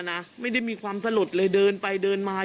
ไม่ได้มีความสลดเลยเดินไปเดินมา